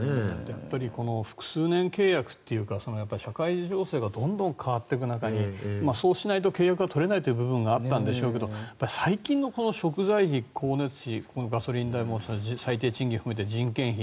やはりこの複数年契約というか社会情勢がどんどん変わっていく中そうしないと契約が取れないという部分があったんでしょうが最近の食材費、光熱費ガソリン代最低賃金も含めて人件費